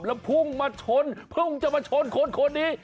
แล้วพุ่งมาชนเพิ่งจะมาชนคนนี้